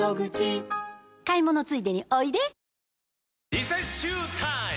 リセッシュータイム！